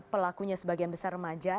pelakunya sebagian besar remaja